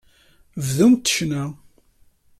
Bdumt ccna.